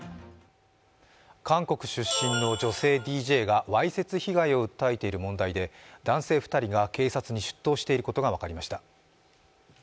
韓国出身の女性ＤＪがわいせつ被害を訴えている問題で男性２人が警察に出頭していることが分かりました。